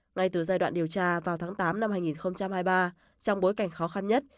ngay từ giai đoạn điều tra vào tháng tám năm hai nghìn hai mươi ba trong bối cảnh khó khăn nhất